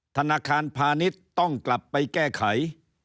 ธนาคารพาณิชย์ต้องกลับไปแก้ไข